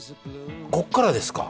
「ここからですか？」